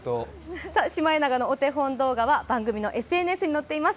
シマエナガのお手本動画は番組のＳＮＳにのっています。